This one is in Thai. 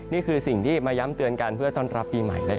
นี่คือสิ่งที่มาย้ำเตือนกันเพื่อต้อนรับปีใหม่